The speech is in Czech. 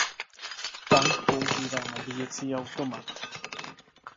Tank používá nabíjecí automat.